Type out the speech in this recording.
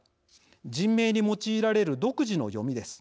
人名に用いられる独自の読みです。